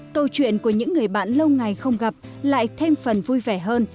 câu chuyện của những người bạn lâu ngày không gặp lại thêm phần vui vẻ hơn